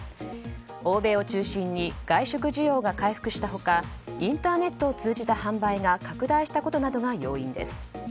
欧米を中心に外食需要が回復した他インターネットを通じた販売が拡大したことなどが要因です。